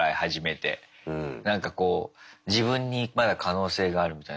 なんかこう自分にまだ可能性があるみたいな。